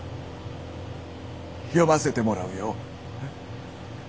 読ませてもらうよ。